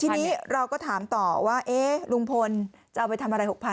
ทีนี้เราก็ถามต่อว่าลุงพลจะเอาไปทำอะไร๖๐๐